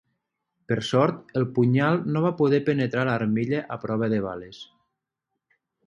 Per sort, el punyal no va poder penetrar l'armilla a prova de bales.